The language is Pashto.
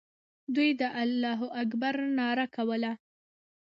دوی د الله اکبر ناره کوله.